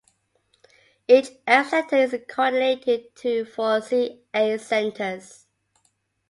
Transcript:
Each F centre is coordinated to four Ca centres.